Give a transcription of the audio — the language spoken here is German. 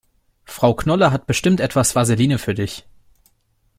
Frau Knolle hat bestimmt etwas Vaseline für dich.